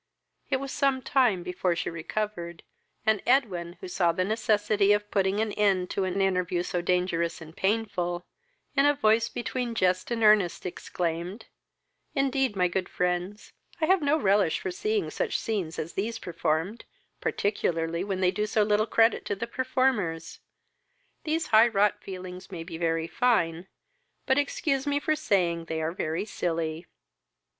It was some time before she recovered, and Edwin, who saw the necessity of putting an end to an interview so dangerous and painful, in a voice between jest and earnest, exclaimed, "Indeed, my good friends, I have no relish for seeing such scenes as these performed, particularly when they do so little credit to the performers. These high wrought feelings may be very fine, but excuse me for saying they are very silly.